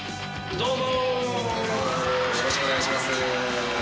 ・どうも。